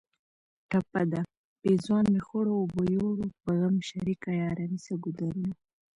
ټپه ده: پېزوان مې خړو اوبو یوړ په غم شریکه یاره نیسه ګودرونه